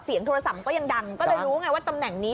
โทรศัพท์ก็ยังดังก็เลยรู้ไงว่าตำแหน่งนี้